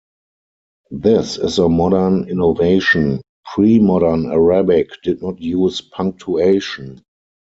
This is a modern innovation; pre-modern Arabic did not use punctuation.